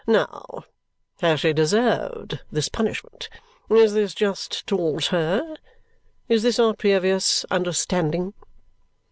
Now, has she deserved this punishment? Is this just towards her? Is this our previous understanding?"